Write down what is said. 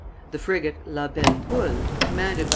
The frigate La Belle Poule, commanded by M.